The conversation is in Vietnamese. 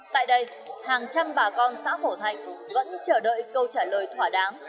tại đây hàng trăm bà con xã phổ thạnh vẫn chờ đợi câu trả lời thỏa đáng